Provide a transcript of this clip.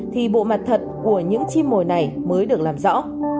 thì bộ mặt thật của những chim mồi này mới được làm rõ